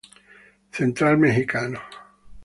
Central Mexicano.